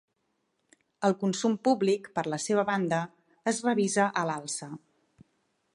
El consum públic, per la seva banda, es revisa a l’alça.